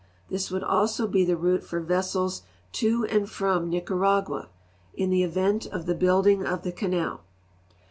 This would also be the route for vessels to and from Nicaragua in GEOGRAPHIC LITERATURE 85 the event of the building of the canal.